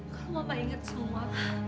kalau mama inget semua